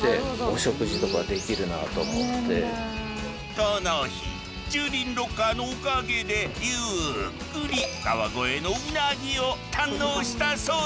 この日駐輪ロッカーのおかげでゆっくり川越のうなぎを堪能したそうじゃぞ。